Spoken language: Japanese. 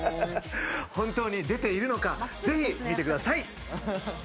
本当に出ているのか、ぜひ見てください。